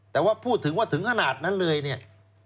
แต่ว่าพูดถึงว่าถึงขนาดนั้นเลยเนี่ย